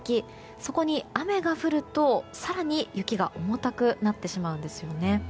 そこに雨が降ると更に雪が重たくなってしまうんですよね。